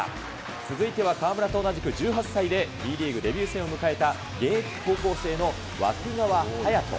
続いては河村と同じく１８歳でＢリーグデビュー戦を迎えた、現役高校生の湧川颯斗。